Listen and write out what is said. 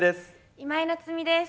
今井菜津美です。